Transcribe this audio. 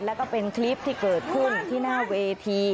แล้วก็เป็นคลิปที่เกิดขึ้นที่หน้าเวที